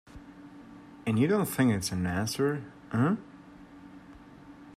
And you don't think it's an answer, eh?